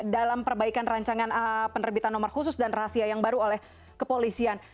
dalam perbaikan rancangan penerbitan nomor khusus dan rahasia yang baru oleh kepolisian